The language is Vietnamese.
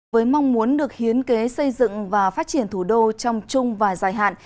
với mong muốn được hiến kế xây dựng và phát triển thủ đô trong chung và dài hạn